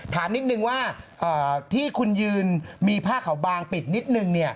ถามนิดนึงว่าที่คุณยืนมีผ้าขาวบางปิดนิดนึง